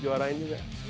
juara ini gak